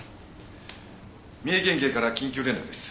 三重県警から緊急連絡です。